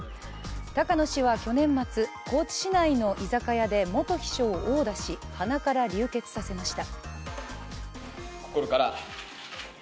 高野氏は去年末、高知市内の居酒屋で元秘書を殴打し鼻から流血させました。